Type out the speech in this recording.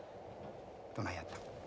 どないやった？